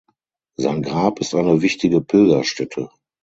Sein Grab ist eine wichtige Pilgerstätte.